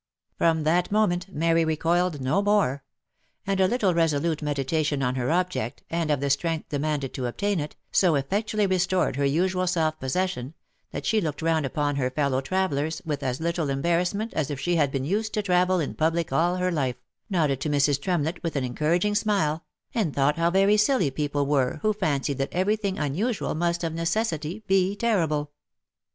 From that moment Mary recoiled no more ; and a little resolute meditation on her object, and of the strength demanded to obtain it, so effectually restored her usual self possession, that she looked round upon her fellow travellers with as little embarrassment as if she had been used to travel in public all her life, nodded to Mrs. Tremlett with an encouraging smile, and thought how very silly people were who fancied that every thing unusual must of necessity be terrible.